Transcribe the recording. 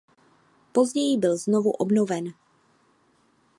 Později byl znovu obnoven.